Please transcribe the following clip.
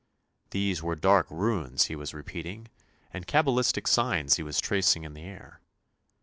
These were dark Runes he was repeating and cabalistic signs he was tracing in the air.